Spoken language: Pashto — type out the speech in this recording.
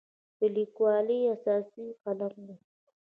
د لیکوالي اساس قلم دی.